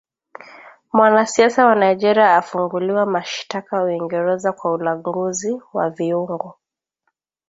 Mwanasiasa wa Nigeria afunguliwa mashitaka Uingereza kwa ulanguzi wa viungo